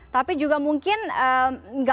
tapi juga mungkin gak boleh kita lihatnya